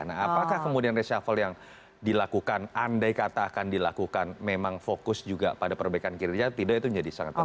nah apakah kemudian reshuffle yang dilakukan andai kata akan dilakukan memang fokus juga pada perbaikan kinerja tidak itu menjadi sangat penting